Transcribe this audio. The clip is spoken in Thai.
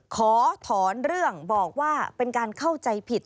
ขอถอนเรื่องบอกว่าเป็นการเข้าใจผิด